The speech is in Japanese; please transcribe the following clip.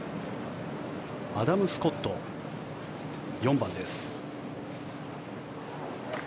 アダム・スコット４番です。